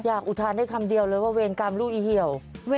อุทานได้คำเดียวเลยว่าเวรกรรมลูกอีเหี่ยว